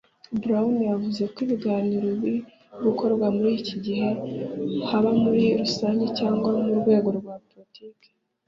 Browne yavuze ko ibiganiro biri gukorwa muri iki gihe haba muri rusange cyangwa mu rwego rwa politiki